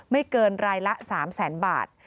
ไม่เกินรายละ๓๐๐๐๐๐บาท